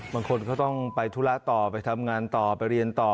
บางคนก็ต้องไปธุระต่อไปทำงานต่อไปเรียนต่อ